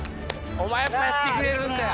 お前やっぱやってくれる。